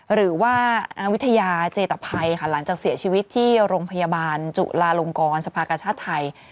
หรือว่าอาวิทยาเจตภัยค่ะหลังจากเสียชีวิตที่โรงพยาบาลจุลาลงกรสภากชาติไทย